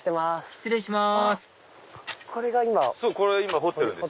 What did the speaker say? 失礼します